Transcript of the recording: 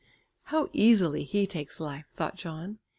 "How easily he takes life!" thought John.